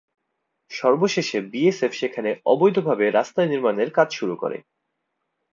সর্বশেষে বিএসএফ সেখানে অবৈধভাবে রাস্তা নির্মাণের কাজ শুরু করে।